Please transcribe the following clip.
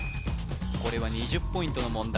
これは２０ポイントの問題